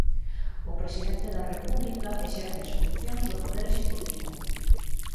O presidente da república exerce as funcións do poder executivo.